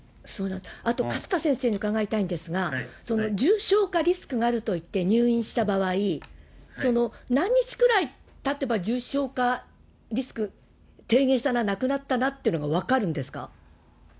あと勝田先生に伺いたいんですが、重症化リスクがあるといって入院した場合、何日くらいたてば、重症化リスク、低減したな、なくなったなというのが分かるんですか？